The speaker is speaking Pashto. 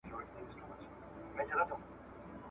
دا د ښځي چمونه دي